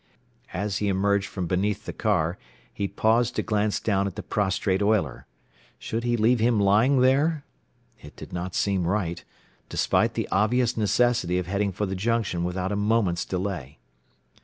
As he emerged from beneath the car he paused to glance down at the prostrate oiler. Should he leave him lying there? It did not seem right, despite the obvious necessity of heading for the junction without a moment's delay.